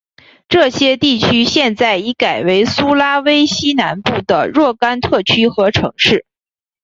这些地区现在已改为苏拉威西南部的若干特区和城市。